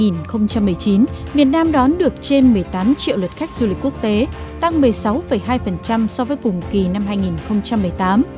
năm hai nghìn một mươi chín việt nam đón được trên một mươi tám triệu lượt khách du lịch quốc tế tăng một mươi sáu hai so với cùng kỳ năm hai nghìn một mươi tám